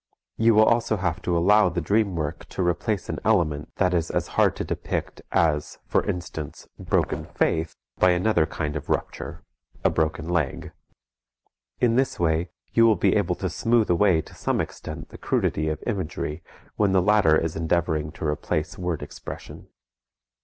You will also have to allow the dream work to replace an element that is as hard to depict as for instance, broken faith, by another kind of rupture, a broken leg. In this way you will be able to smooth away to some extent the crudity of imagery when the latter is endeavoring to replace word expression.